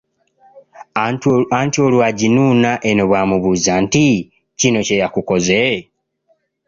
Anti olwo aginuuna eno bw’amubuuza nti, “kino kye yakukoze?"